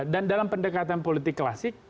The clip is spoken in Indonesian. dan dalam pendekatan politik klasik